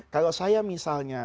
kalau saya misalnya